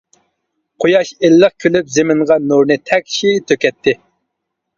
قۇياش ئىللىق كۈلۈپ زېمىنغا نۇرنى تەكشى تۆكەتتى.